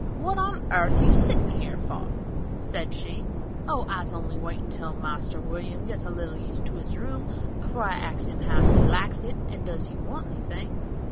"What on airth you sittin' here for?" said she. "Oh, I's only waitin' till Marster William gets a little used to his room afore I axes him how he likes it and does he want anything."